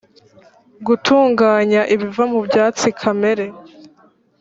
gutunganya ibiva mu byatsi kamere